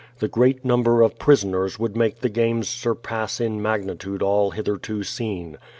The great number of prisoners would make the games surpass in magnitude all hitherto seen.